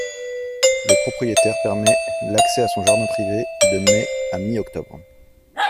La propriétaire permet l’accès à son jardin privé de mai à mi-octobre.